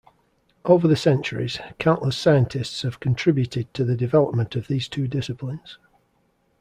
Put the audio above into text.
Over the centuries, countless scientists have contributed to the development of these two disciplines.